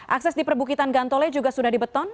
akses di perbukitan gantole juga sudah dibeton